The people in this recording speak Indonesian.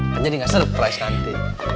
kan jadi gak surprise nanti